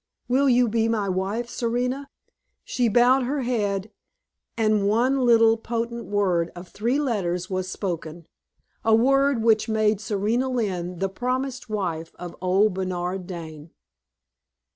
Will you be my wife, Serena?" She bowed her head, and one little, potent word of three letters was spoken a word which made Serena Lynne the promised wife of old Bernard Dane.